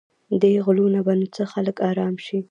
دې غلو نه به نو څنګه خلک په آرام شي.